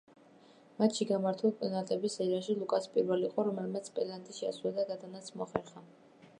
მატჩში გამართულ პენალტების სერიაში ლუკასი პირველი იყო, რომელმაც პენალტი შეასრულა და გატანაც მოახერხა.